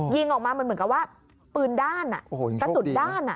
ยิงออกมามันเหมือนกับว่าปืนด้านกระสุนด้าน